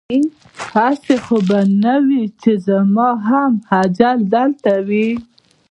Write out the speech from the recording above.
هسې خو به نه وي چې زما هم اجل همدلته وي؟